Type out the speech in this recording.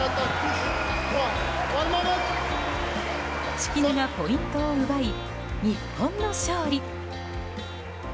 敷根がポイントを奪い日本の勝利！